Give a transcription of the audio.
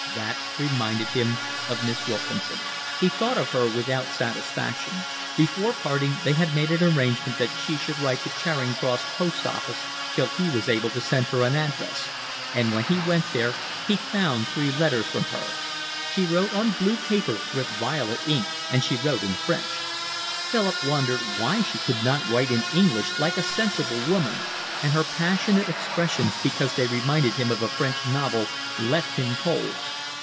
That reminded him of Miss Wilkinson. He thought of her without satisfaction. Before parting they had made an arrangement that she should write to Charing Cross Post Office till he was able to send her an address, and when he went there he found three letters from her. She wrote on blue paper with violet ink, and she wrote in French. Philip wondered why she could not write in English like a sensible woman, and her passionate expressions, because they reminded him of a French novel, left him cold.